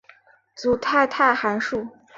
组态态函数。